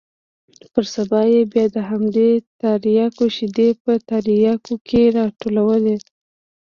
پر سبا يې بيا د همدې ترياکو شېدې په ترياكيو کښې راټولولې.